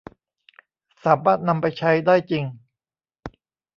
สามารถนำไปใช้ได้จริง